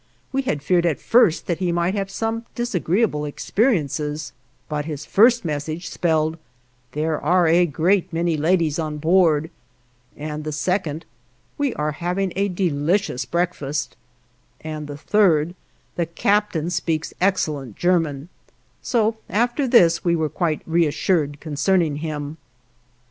We had feared at first that he might have some disagreeable experiences, but his first message spelled, "There are a great many ladies on board," and the second, "We are having a delicious breakfast," and the third, "The captain speaks excellent German," so after this we were quite reassured concerning him.